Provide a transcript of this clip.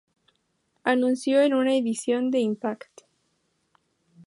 Anunció en una edición de "Impact!